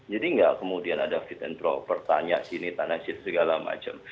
jadi gak kemudian ada fit and proper tanya sini tanda situ segala macem